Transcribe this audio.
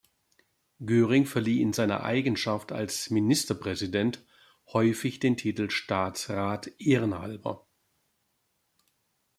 Göring verlieh in seiner Eigenschaft als Ministerpräsident häufig den Titel Staatsrat ehrenhalber.